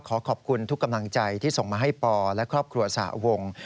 ขอขอบคุณทุกกำลังใจที่ส่งมาให้ปอและครอบครัวสหวง